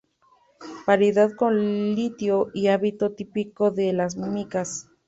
Variedad con litio y hábito típico de las micas.